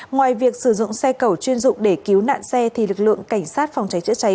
ngoài việc sử dụng xe cầu chuyên dụng để cứu nạn xe thì lực lượng cảnh sát phòng cháy chữa cháy